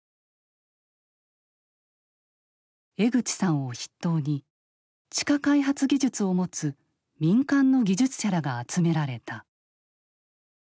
江口さんを筆頭に地下開発技術を持つ民間の技術者らが集められた。